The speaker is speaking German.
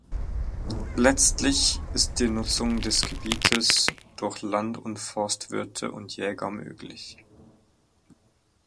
Letztlich ist die Nutzung des Gebietes durch Land- und Forstwirte und Jäger möglich.